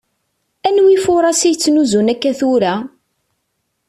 Anwi ifuras yettnuzen akka tura?